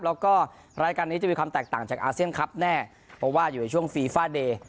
แล้วก็รายการนี้จะมีความแตกต่างจากอาเซียนคลับแน่เพราะว่าอยู่ในช่วงฟีฟาเดย์